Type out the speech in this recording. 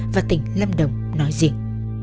và tỉnh lâm đồng nói riêng